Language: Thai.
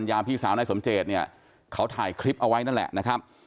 พี่สาวนายสมเจตเนี่ยเขาถ่ายคลิปเอาไว้นั่นแหละนะครับ